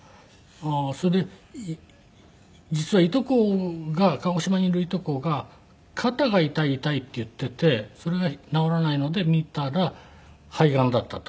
それで実はいとこが鹿児島にいるいとこが「肩が痛い痛い」って言っていてそれが治らないので診たら肺がんだったと。